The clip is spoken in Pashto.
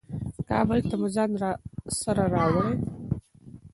کابل ته مو ځان سره راوړې.